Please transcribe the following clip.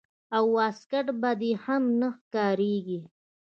او واسکټ به دې هم نه ښکارېږي.